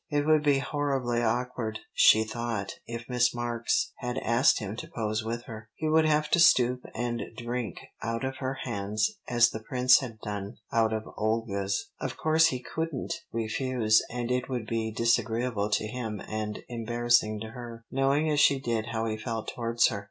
It would be horribly awkward, she thought, if Miss Marks had asked him to pose with her. He would have to stoop and drink out of her hands as the prince had done out of Olga's. Of course he couldn't refuse, and it would be disagreeable to him and embarrassing to her, knowing as she did how he felt towards her.